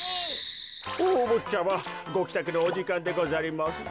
おおぼっちゃまごきたくのおじかんでござりますぞ。